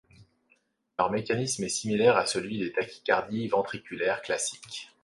Leur mécanisme est similaire à celui des tachycardies ventriculaires classiques.